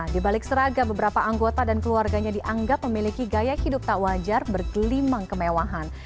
di balik seragam beberapa anggota dan keluarganya dianggap memiliki gaya hidup tak wajar bergelimang kemewahan